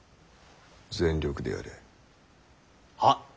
全力でやれ。はっ。